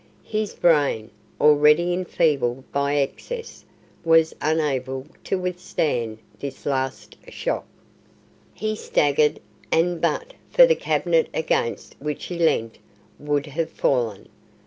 His brain, already enfeebled by excess, was unable to withstand this last shock. He staggered, and but for the cabinet against which he leant, would have fallen.